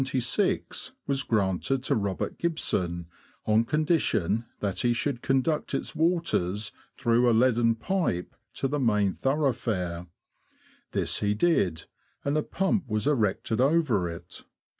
but in 1576 was granted to Robert Gibson, on condition that he should conduct its waters, through a leaden pipe, to the main thorough fare. This he did, and a pump was erected over it.